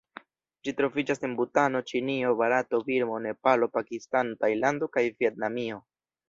Ĝi troviĝas en Butano, Ĉinio, Barato, Birmo, Nepalo, Pakistano, Tajlando kaj Vjetnamio.